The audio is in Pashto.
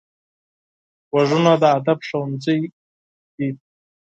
غوږونه د ادب ښوونځی دي